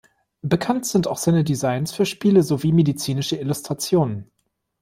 Bekannt sind auch seine Designs für Spiele sowie medizinische Illustrationen.